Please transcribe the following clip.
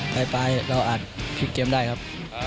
ปลายเราอาจพลิกเกมได้ครับ